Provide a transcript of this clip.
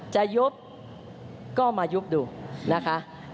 จะยุบก็มายุบดูนะคะ